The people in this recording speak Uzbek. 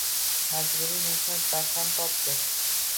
Majburiy mehnat barham topdi.